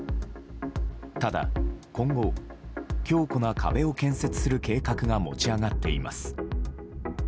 ただ、今後強固な壁を建設する計画が持ち上がっています。